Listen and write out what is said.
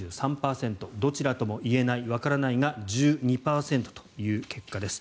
どちらともいえないわからないが１２％という結果です。